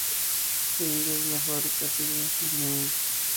Hoy en día la fábrica sigue en funcionamiento.